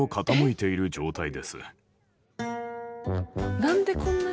何でこんなに？